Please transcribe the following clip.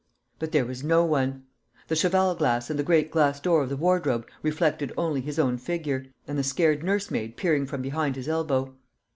But there was no one the cheval glass and the great glass door of the wardrobe reflected only his own figure, and the scared nursemaid peering from behind his elbow.